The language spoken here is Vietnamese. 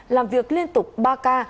làm việc liên tục ba k